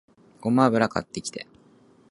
ごま油買ってきて